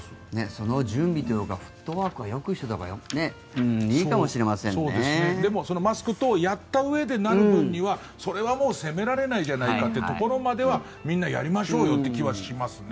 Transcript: その準備というかフットワークはよくしておいたほうがでも、マスク等をやったうえでなる分にはそれは責められないじゃないかというところまではみんなやりましょうよという気はしますね。